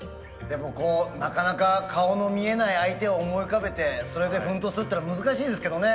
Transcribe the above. でもこうなかなか顔の見えない相手を思い浮かべてそれで奮闘するっていうのは難しいですけどね。